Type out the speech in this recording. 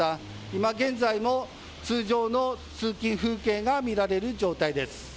今現在も通常の通勤風景が見られる状態です。